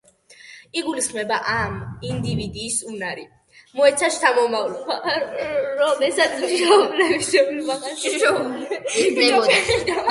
იგულისხმება ამ ინდივიდის უნარი, მოეცა შთამომავლობა, რომელსაც მშობლისეული მახასიათებლები ექნებოდა.